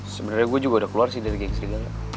sebenernya gue juga udah keluar sih dari geng serigala